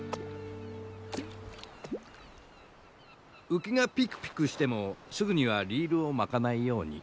ウキがピクピクしてもすぐにはリールを巻かないように。